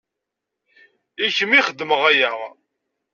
I kemm i xedmeɣ aya.